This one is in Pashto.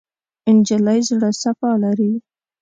نجلۍ زړه صفا لري.